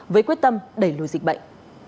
với quyết tâm đẩy lùi dịch bệnh